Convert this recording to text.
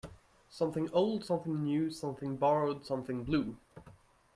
Something old, something new, something borrowed, something blue.